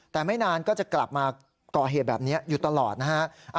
แต่ไม่นานก็จะกลับมาก่อเหตุแบบนี้อยู่ตลอดนะฮะ